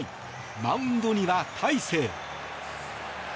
マウンドには大勢。